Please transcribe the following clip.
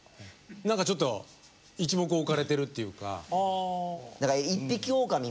何かちょっと一目置かれてるっていうか。